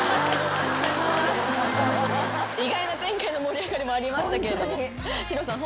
意外な展開の盛り上がりもありましたけれどもＨｉｒｏさん